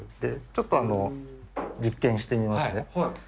ちょっと実験してみますね。